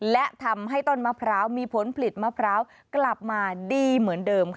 และทำให้ต้นมะพร้าวมีผลผลิตมะพร้าวกลับมาดีเหมือนเดิมค่ะ